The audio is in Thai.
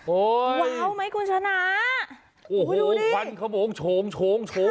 โอ้ยว้าวไหมคุณชนะโอ้โหดูดิขวัญของผมโฉมโฉมโฉม